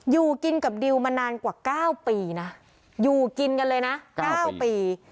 อยู่กินกับดิวมานานกว่า๙ปีนะอยู่กินกันเลยนะ๙ปี